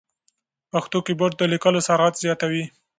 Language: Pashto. پښتو کیبورډ د لیکلو سرعت زیاتوي.